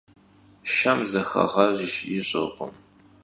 Şşem zexeğejj yiş'ırkhım.